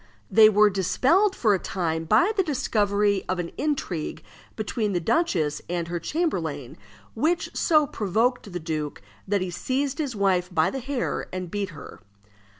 They were dispelled for a time by the discovery of an intrigue between the duchess and her chamberlain, which so provoked the duke that he seized his wife by the hair and beat her.